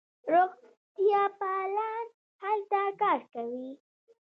روغتیاپالان هلته کار کوي.